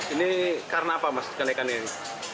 ini karena apa mas kenaikan ini